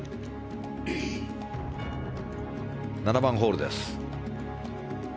７番ホールです。